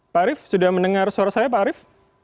pak arief sudah mendengar suara saya pak arief